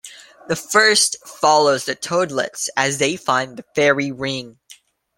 The first follows the Toadlets as they find the Fairy Ring.